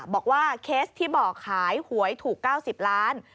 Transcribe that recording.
บอกว่าเคสที่บอกขายหวยถูก๙๐ล้าน